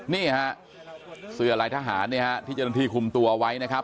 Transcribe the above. นี่ฮะเสื้อลายทหารเนี่ยฮะที่เจ้าหน้าที่คุมตัวไว้นะครับ